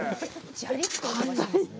ジャリッという音がしますね。